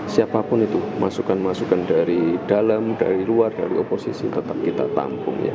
siapapun itu masukan masukan dari dalam dari luar dari oposisi tetap kita tampung ya